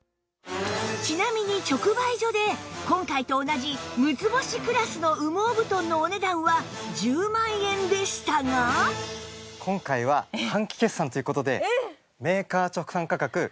ちなみに直売所で今回と同じ６つ星クラスの羽毛布団のお値段は１０万円でしたがでいかがでしょうか？